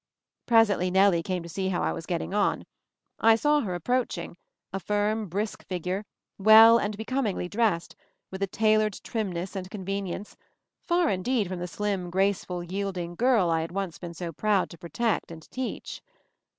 Presently Nellie came to see how I was getting on. I saw her approaching, a firm, brisk figure, well and becomingly dressed, with a tailored trimness and convenience, far indeed from the slim, graceful, yielding girl I had once been so proud to protect and teach.